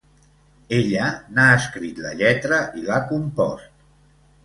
Ella n'ha escrit la lletra i l'ha compost.